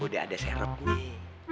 udah ada seret nih